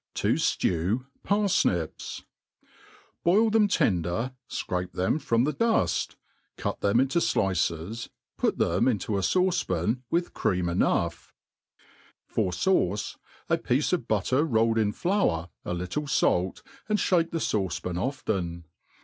Tojitv Par/nips. BOIL them tender, fcrape th(;m from the duft, cut them into flices, put ,them into a fauce pan, with cream enough ; for fauce, a piece of butter rolled in flour, a Httle fait, and Ihake the fi^Kc pan onen.